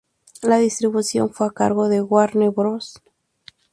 La distribución fue a cargo de Warner Bros.